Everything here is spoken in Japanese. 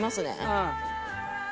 うん。